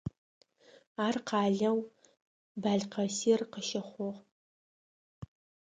Ар къалэу Балыкэсир къыщыхъугъ.